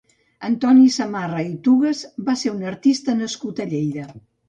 Antoni Samarra i Tugues va ser un artista nascut a Lleida.